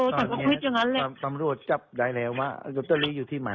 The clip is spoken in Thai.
ตอนนี้สำรวจจับได้แล้วว่ารถตะลี่อยู่ที่มัน